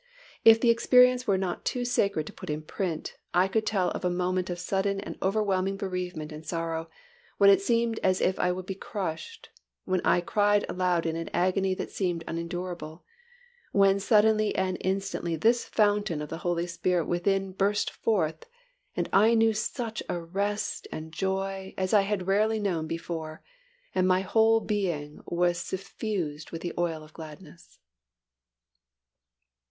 If the experience were not too sacred to put in print, I could tell of a moment of sudden and overwhelming bereavement and sorrow, when it seemed as if I would be crushed, when I cried aloud in an agony that seemed unendurable, when suddenly and instantly this fountain of the Holy Spirit within burst forth and I knew such a rest and joy as I had rarely known before, and my whole being was suffused with the oil of gladness.